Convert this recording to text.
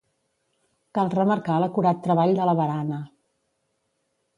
Cal remarcar l'acurat treball de la barana.